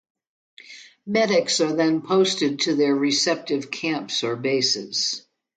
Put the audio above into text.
Medics are then posted to their respective camps or bases.